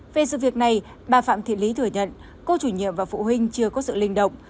về sự việc này bà phạm thị lý thừa nhận cô chủ nhiệm và phụ huynh chưa có sự linh động